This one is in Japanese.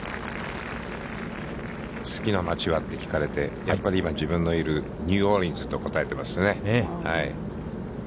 好きな町は？って聞かれて、やっぱり今自分のいるニューオリンズと答えていますね。